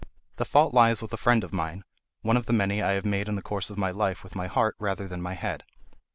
The fault lies with a friend of mine—one of the many I have made in the course of my life with my heart rather than my head.